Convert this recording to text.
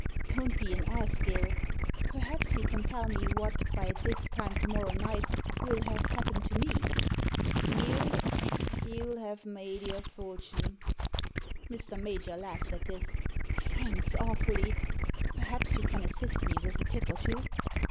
" Don't be an ass, Gill ! Perhaps you can tell me what, by this time to morrow night, will have happened to me? " You ! Youll have made your fortune." Mr. Major laughed at this. Thanks awfully. Perhaps you can assist me with a tip or two?"